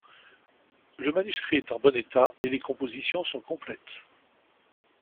Le manuscrit est en bon état et les compositions sont complètes.